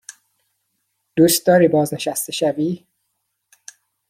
دوست داری بازنشسته شوی؟